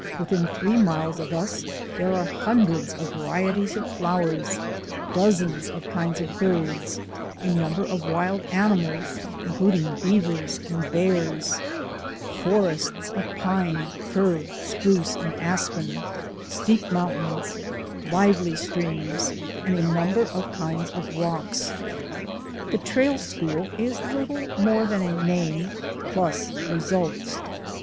Within three miles of us there are hundreds of varieties of flowers; dozens of kinds of birds; a number of wild animals, including bea vers and bears; forests of pine, fir, spruce, and aspen; steep mountains; likely streams, and a num ber of kinds of rocks. 160 THE ADVENTURES OF A NATURE GUIDE The Trail School is little more than a name, plus results.